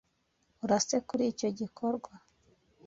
urase kuri icyo gikorwa